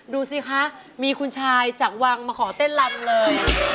ดูสิคะมีคุณชายจากวังมาขอเต้นลำเลย